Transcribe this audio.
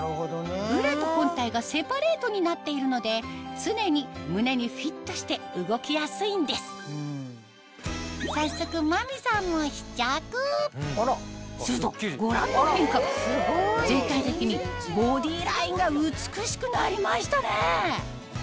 ブラと本体がセパレートになっているので常に胸にフィットして動きやすいんです早速真美さんも試着するとご覧の変化が全体的にボディーラインが美しくなりましたね！